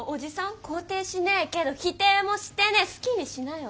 肯定しねーけど否定もしてねー好きにしなよ